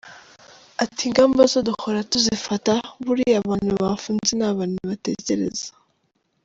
Ati “Ingamba zo duhora tuzifata, buriya abantu bafunze ni abantu batekereza.